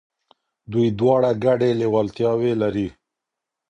دوی دواړه ګډي لېوالتياوي لري.